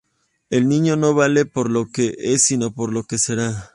El niño no vale por lo que es sino por lo que será.